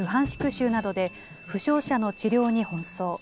州などで、負傷者の治療に奔走。